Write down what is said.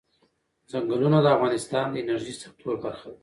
ځنګلونه د افغانستان د انرژۍ سکتور برخه ده.